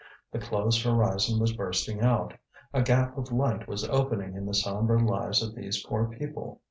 The closed horizon was bursting out; a gap of light was opening in the sombre lives of these poor people.